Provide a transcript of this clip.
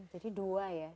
jadi dua ya